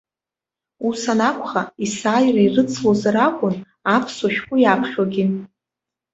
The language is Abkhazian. Ус анакәха, есааира ирыцлозар акәын аԥсуа шәҟәы иаԥхьогьы.